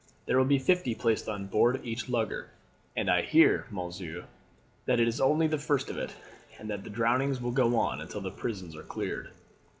There will be fifty placed on board each lugger; and I hear, monsieur, that is only the first of it, and that the drownings will go on until the prisons are cleared."